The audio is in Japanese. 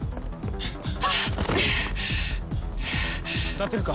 立てるか？